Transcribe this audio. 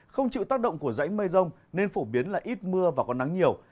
không chịu tác động của rãnh mây rông nên phổ biến là ít mưa và có nắng nhiều